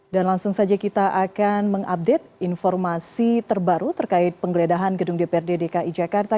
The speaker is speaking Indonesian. dan langsung saja kita akan mengupdate informasi terbaru terkait penggeledahan gedung dprd dki jakarta